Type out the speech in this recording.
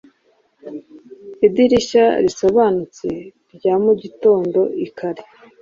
idirishya risobanutse rya mugitondo lkare,